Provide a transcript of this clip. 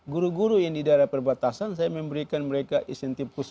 guru guru yang di daerah perbatasan saya memberikan mereka insentif khusus